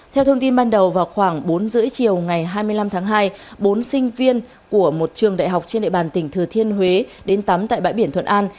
theo thông tin ban đầu vào khoảng bốn h ba mươi chiều ngày hai mươi năm tháng hai bốn sinh viên của một trường đại học trên địa bàn tỉnh thừa thiên huế đến tắm tại bãi biển thuận an